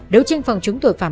nếu đối tượng có trọng đất